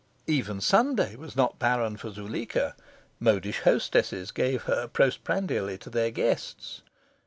Even Sunday was not barren for Zuleika: modish hostesses gave her postprandially to their guests.